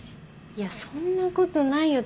いやそんなことないよ。